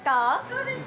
そうです。